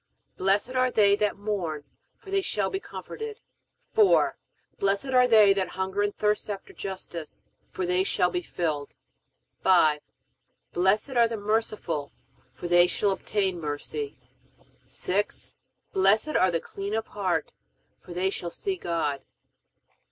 Blessed are they that mourn, for they shall be comforted. 4. Blessed are they that hunger and thirst after justice, for they shall be filled. 5. Blessed are the merciful, for they shall obtain mercy. 6. Blessed are the clean of heart, for they shall see God.